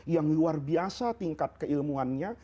yang luar biasa tingkat keilmuannya